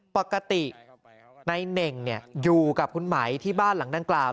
ปกตินายเน่งอยู่กับคุณไหมที่บ้านหลังดังกล่าว